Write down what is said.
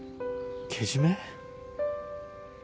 けじめ？